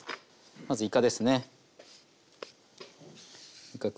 まずいかですね。